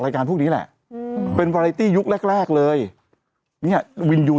การพวกนี้แหละอืมเป็นฟอไลตี้ยุคแรกแรกเลยเนี่ยวินยู